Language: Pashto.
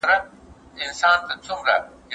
ستاسو د ژوند کیفیت د ښه فکر په واسطه لوړیږي.